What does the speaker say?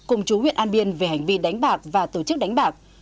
cùng chú huyện an biên về hành vi đánh bạc và tổ chức đánh bạc